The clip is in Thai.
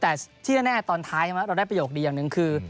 แต่ที่แน่ตอนท้ายเราได้ประโยคดีอย่างหนึ่งคือ